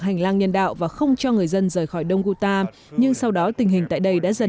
hành lang nhân đạo và không cho người dân rời khỏi đông guta nhưng sau đó tình hình tại đây đã dần